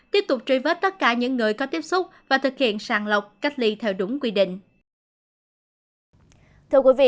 tiếp tục truy vết tất cả những người có tiếp xúc và thực hiện sàng lọc cách ly theo đúng quy định